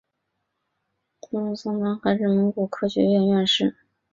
鲁布桑旺丹还是蒙古科学院院士。